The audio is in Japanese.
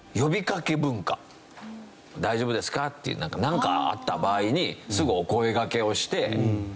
「大丈夫ですか？」っていうなんかあった場合にすぐお声がけをして。